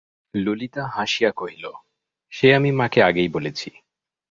ললিতা হাসিয়া কহিল, সে আমি মাকে আগেই বলেছি।